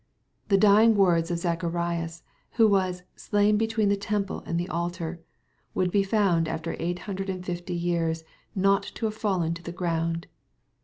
The dying w ords of Z ach arias, who was ^' slain between the temple and the altar," would be found after eight hundred and fifty years, not to have fallen to the ground.